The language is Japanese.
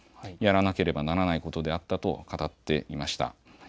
やらなければならないことであったと語っていました。